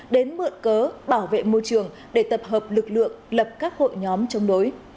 đến mượn cớ bảo vệ môi trường để tập hợp lực lượng lập các hội nhóm chống đối